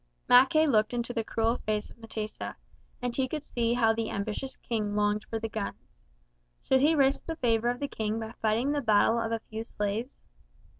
Mackay looked into the cruel face of M'tesa, and he could see how the ambitious King longed for the guns. Should he risk the favour of the King by fighting the battle of a few slaves?